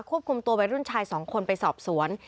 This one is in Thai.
ควบคุมตัววายรุ่นชายสองคนไปสอบสวน